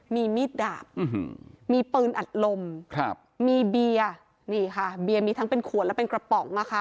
มีมีดดาบมีปืนอัดลมครับมีเบียร์นี่ค่ะเบียร์มีทั้งเป็นขวดและเป็นกระป๋องอะค่ะ